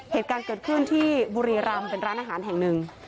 เหตุการณ์เกิดขึ้นที่บุรีรำเป็นร้านอาหารแห่งหนึ่ง